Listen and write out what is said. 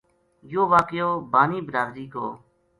یوہ واقعو بانی برادری کو